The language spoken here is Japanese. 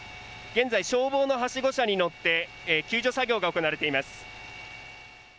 現在、消防のはしご車に乗って救助作業が行われています。